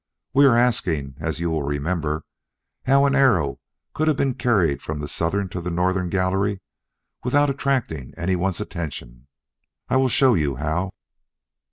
We are asking, as you will remember, how an arrow could have been carried from the southern to the northern gallery without attracting anyone's attention. I will show you how."